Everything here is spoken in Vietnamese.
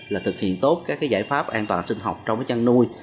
là thực hiện tốt các giải pháp an toàn sinh học trong chăn nuôi